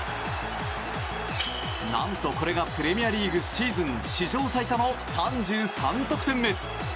何とこれが、プレミアリーグシーズン史上最多の３３得点目！